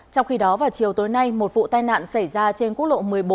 trong khi đó vào chiều tối nay một vụ tai nạn xảy ra trên quốc lộ một mươi bốn